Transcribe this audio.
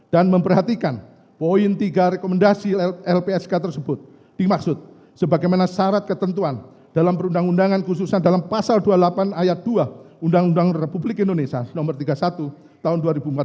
dan memperhatikan poin tiga rekomendasi lpsk tersebut dimaksud sebagaimana syarat ketentuan dalam perundang undangan khususnya dalam pasal dua puluh delapan ayat dua undang undang republik indonesia no tiga puluh satu tahun dua ribu empat belas